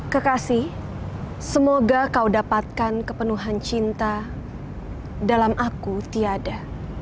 kekasih semoga kau dapatkan kepenuhan cinta dalam aku tiada